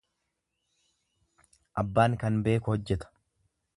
Abbaan waan beeku hojjeta.